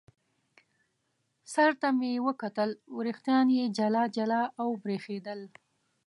سر ته مې یې وکتل، وریښتان یې جلا جلا او برېښېدل.